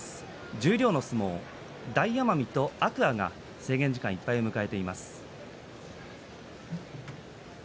十両の相撲、大奄美と天空海が制限時間いっぱいを迎えています。